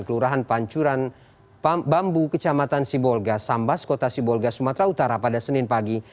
kelurahan pancuran bambu kecamatan sibolga sambas kota sibolga sumatera utara pada senin pagi